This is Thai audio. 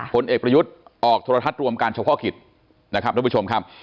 คนเอกประยุทธ์ออกโทรทัศน์รวมการเฉพาะคิดนะครับ